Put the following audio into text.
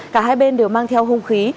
cả hai bên đều mang theo hung khí